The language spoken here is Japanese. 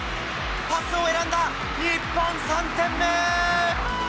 パスを選んだ、日本、３点目。